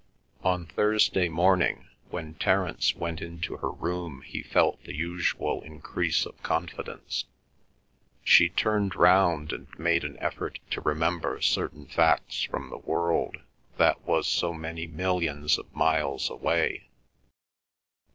On Thursday morning when Terence went into her room he felt the usual increase of confidence. She turned round and made an effort to remember certain facts from the world that was so many millions of miles away.